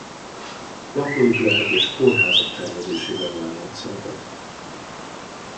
Lakóépületek és kórházak tervezésében vállalt szerepet.